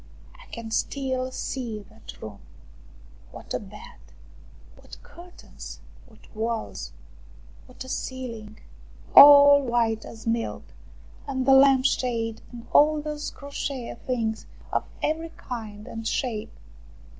I can still see that room. What a bed ! What curtains ! What walls ! What a ceiling ! All white as milk. And the lamp shade, and all those crochet things of every kind and shape